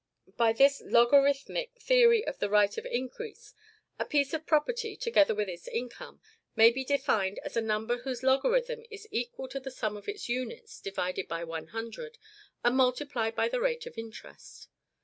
By this LOGARITHMIC theory of the right of increase, a piece of property, together with its income, may be defined as A NUMBER WHOSE LOGARITHM IS EQUAL TO THE SUM OF ITS UNITS DIVIDED BY ONE HUNDRED, AND MULTIPLIED BY THE RATE OF INTEREST.